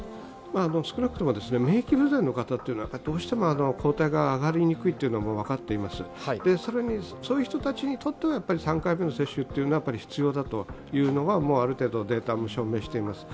少なくとも免疫不全の方はどうしても抗体が上がりにくいというのが分かっています、そういう人たちにとっては３回目の接種は必要だというのはある程度データも証明しています。